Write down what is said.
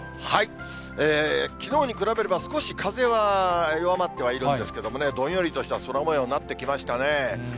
きのうに比べれば、少し風は弱まってはいるんですけどもね、どんよりとした空もようになってきましたね。